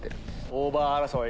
オーバー争い？